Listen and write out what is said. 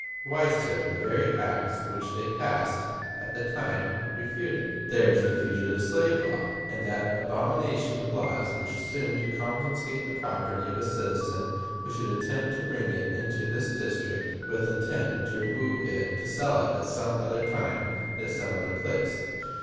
Why, sir, the very acts which they passed at the time refute it. There is the fugitive slave law, and that abomination of laws which assumed to confiscate the property of a citizen who should attempt to bring it into this District with intent to remove it to sell it at some other time and at some other place.